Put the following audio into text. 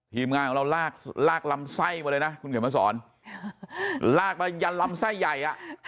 ทีมงานของเราลากลากลำไส้มาเลยนะคุณเขียนมาสอนลากมายันลำไส้ใหญ่อ่ะ